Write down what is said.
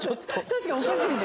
確かにおかしいね。